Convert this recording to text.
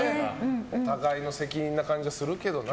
お互いの責任な感じがするけどな。